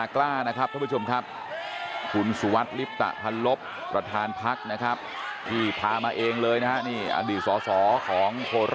ก็เคยเป็นผู้แทนมาโดยตลอด